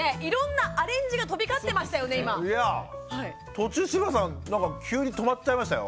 途中志村さんなんか急に止まっちゃいましたよ。